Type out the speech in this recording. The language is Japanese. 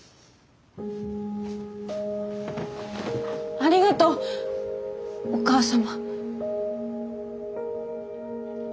ありがとうお母様。